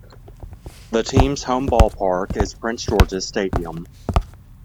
The team's home ballpark is Prince George's Stadium.